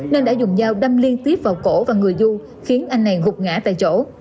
nên đã dùng dao đâm liên tiếp vào cổ và người du khiến anh này gục ngã tại chỗ